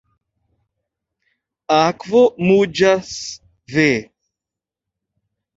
Akvo muĝas, ve.